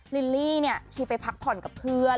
ลิลลี่เนี่ยชีไปพักผ่อนกับเพื่อน